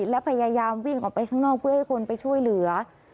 และพยายามวิ่งออกไปข้างนอกเพื่อให้คนไปช่วยเหลือ